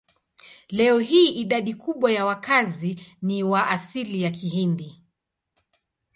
Leo hii idadi kubwa ya wakazi ni wa asili ya Kihindi.